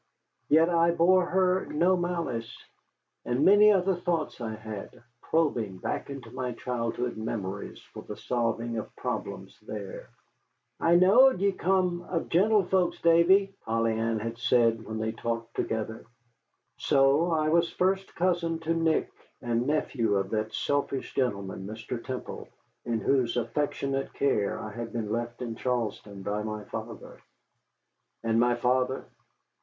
Yet I bore her no malice. And many other thoughts I had, probing back into childhood memories for the solving of problems there. "I knowed ye come of gentlefolks, Davy," Polly Ann had said when we talked together. So I was first cousin to Nick, and nephew to that selfish gentleman, Mr. Temple, in whose affectionate care I had been left in Charlestown by my father. And my father?